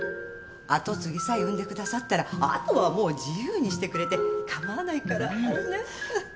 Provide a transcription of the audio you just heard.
跡継ぎさえ産んでくださったらあとはもう自由にしてくれて構わないから。